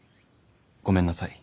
ごめんなさい。